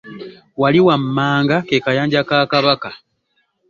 Wali wammanga ke kayanja ka kabaka.